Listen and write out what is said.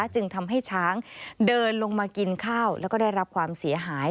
จึงทำให้ช้างเดินลงมากินข้าวแล้วก็ได้รับความเสียหาย